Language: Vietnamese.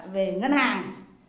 về ngân hàng